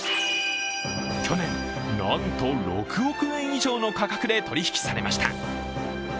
去年、なんと６億円以上の価格で取り引きされました。